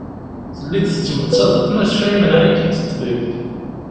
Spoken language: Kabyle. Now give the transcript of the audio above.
Telliḍ tettmettateḍ maca imneε-ik-id ṭṭbib.